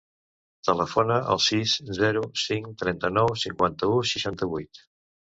Telefona al sis, zero, cinc, trenta-nou, cinquanta-u, seixanta-vuit.